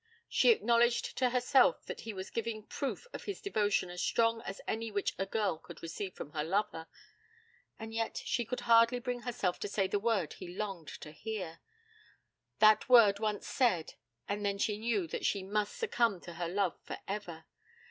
She acknowledged to herself that he was giving proof of his devotion as strong as any which a girl could receive from her lover. And yet she could hardly bring herself to say the word he longed to hear. That word once said, and then she knew that she must succumb to her love for ever!